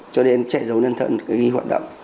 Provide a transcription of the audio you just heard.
cho nên trẻ giàu nhân thân ghi hoạt động